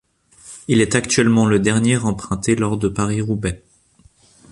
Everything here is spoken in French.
Il est actuellement le dernier emprunté lors de Paris-Roubaix.